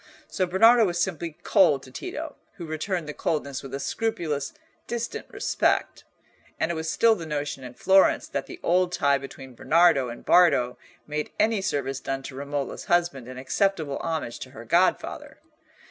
So Bernardo was simply cold to Tito, who returned the coldness with a scrupulous, distant respect. And it was still the notion in Florence that the old tie between Bernardo and Bardo made any service done to Romola's husband an acceptable homage to her godfather.